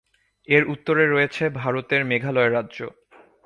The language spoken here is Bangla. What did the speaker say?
এর উত্তরে রয়েছে ভারতের মেঘালয় রাজ্য।